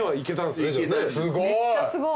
すごい。